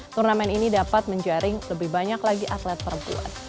turnamen ini dapat menjaring lebih banyak lagi atlet perempuan